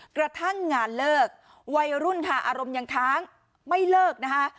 กระทั่งงานเลิกวัยรุ่นค่ะอารมณ์ยังค้างไม่เลิกนะคะ